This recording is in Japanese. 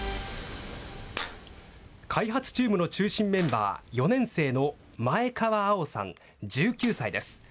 開発チームの中心メンバー、４年生の前川蒼さん１９歳です。